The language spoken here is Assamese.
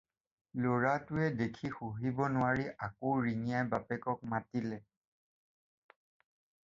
ল'ৰাটোৱে দেখি সহিব নোৱাৰি আকৌ ৰিঙিয়াই বাপেকক মাতিলে